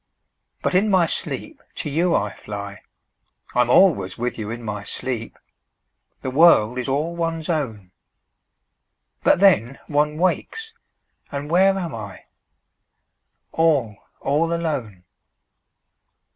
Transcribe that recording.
5 But in my sleep to you I fly: I'm always with you in my sleep! The world is all one's own. But then one wakes, and where am I? All, all alone.